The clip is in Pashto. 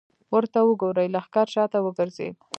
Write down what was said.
ورته وګورئ! لښکر شاته وګرځېد.